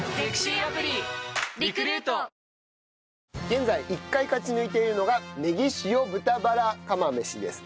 現在１回勝ち抜いているのがネギ塩豚バラ釜飯です。